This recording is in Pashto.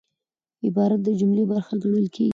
عبارت د جملې برخه ګڼل کېږي.